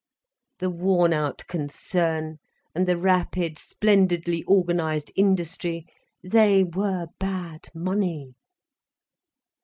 The worn out concern and the rapid, splendidly organised industry, they were bad money.